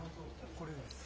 これです。